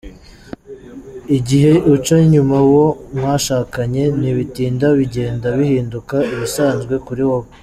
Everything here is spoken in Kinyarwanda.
Igihe uca inyuma uwo mwashakanye, ntibitinda bigenda bihinduka ibisanzwe kuri wowe.